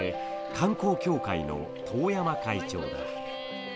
観光協会の當山会長だ。